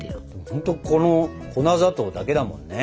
本当この粉砂糖だけだもんね。